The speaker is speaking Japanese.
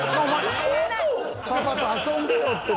パパと遊んでよってなる。